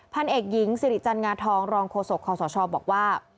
พันเอกหญิงสิริจันงาทองรองโฆษกคอสชบอกว่า